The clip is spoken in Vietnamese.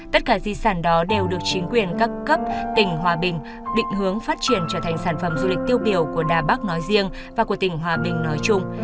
tất cả di sản đó đều được chính quyền các cấp tỉnh hòa bình định hướng phát triển trở thành sản phẩm du lịch tiêu biểu của đà bắc nói riêng và của tỉnh hòa bình nói chung